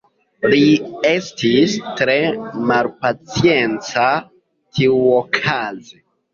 Li estis tre malpacienca tiuokaze.